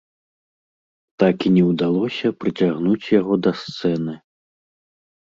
Так і не ўдалося прыцягнуць яго да сцэны.